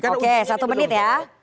oke satu menit ya